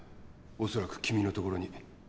恐らく君のところに。